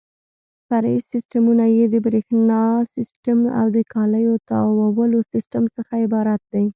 فرعي سیسټمونه یې د برېښنا سیسټم او د کالیو تاوولو سیسټم څخه عبارت دي.